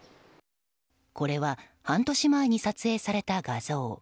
これは半年前に撮影された画像。